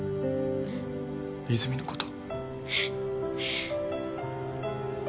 泉のこと。